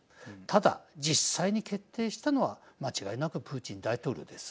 ただ、実際に決定したのは間違いなくプーチン大統領です。